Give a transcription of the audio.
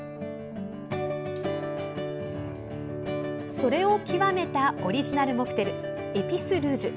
それを極めたオリジナルモクテルエピスルージュ。